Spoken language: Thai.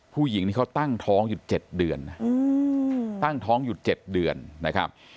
ผู้หญิงนี่เขาตั้งท้องอยู่๗เดือนนะตั้งท้องอยู่๗เดือนนะครับ